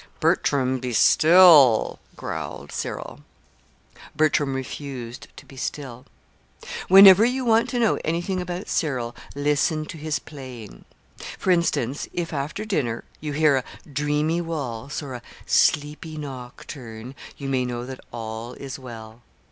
"Bertram, be still," growled Cyril. Bertram refused to be still. "Whenever you want to know anything about Cyril, listen to his playing. For instance: if, after dinner, you hear a dreamy waltz or a sleepy nocturne, you may know that all is well.